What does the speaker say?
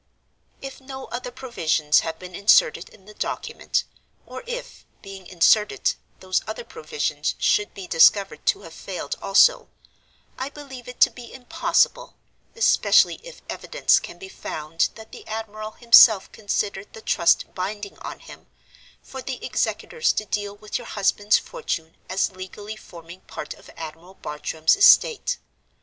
"If no other provisions have been inserted in the document—or if, being inserted, those other provisions should be discovered to have failed also—I believe it to be impossible (especially if evidence can be found that the admiral himself considered the Trust binding on him) for the executors to deal with your husband's fortune as legally forming part of Admiral Bartram's estate.